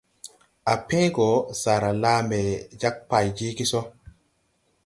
À pẽẽ go, saara laa mbɛ jag pay jeege so.